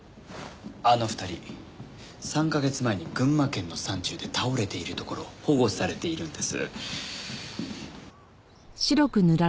あの２人３カ月前に群馬県の山中で倒れているところを保護されているんです。